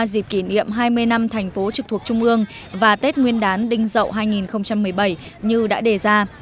dịp kỷ niệm hai mươi năm thành phố trực thuộc trung ương và tết nguyên đán đinh dậu hai nghìn một mươi bảy như đã đề ra